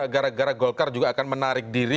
gara gara golkar juga akan menarik diri